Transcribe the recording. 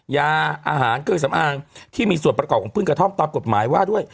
ยาอาหารเครื่องสำอางที่มีส่วนประกอบของพืชกระท่อมตามกฎหมายว่าด้วย